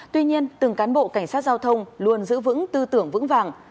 tuy nhiên từng cán bộ cảnh sát giao thông luôn giữ vững tư tưởng vững vàng